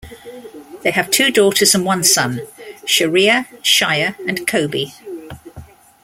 They have two daughters and one son: Sharia, Shaya, and Kobe.